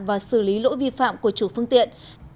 và xử lý lỗi vi phạm của chủ phương tiện